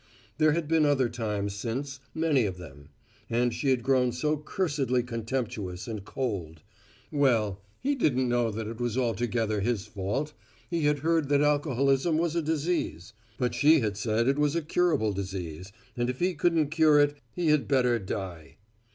There had been other times since, many of them. And she had grown so cursedly contemptuous and cold. Well he didn't know that it was altogether his fault. He had heard that alcoholism was a disease. But she had said it was a curable disease, and if he couldn't cure it, he had better die.